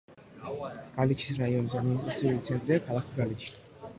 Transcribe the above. გალიჩის რაიონის ადმინისტრაციული ცენტრია ქალაქი გალიჩი.